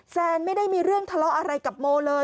ไม่ได้มีเรื่องทะเลาะอะไรกับโมเลย